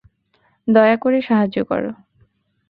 দয়াকরে, সাহায্য করো।